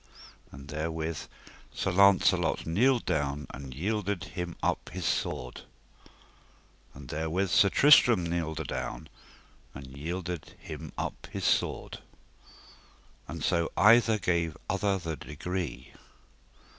And therewith Sir Launcelot kneeled down and yielded him up his sword. And therewith Sir Tristram kneeled adown, and yielded him up his sword. And so either gave other the degree.